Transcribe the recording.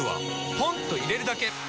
ポンと入れるだけ！